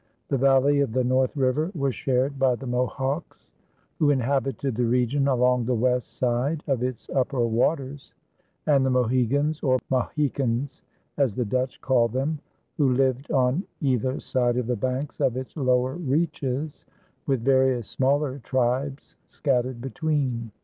The valley of the North River was shared by the Mohawks, who inhabited the region along the west side of its upper waters, and the Mohegans, or Mahicans, as the Dutch called them, who lived on either side of the banks of its lower reaches, with various smaller tribes scattered between.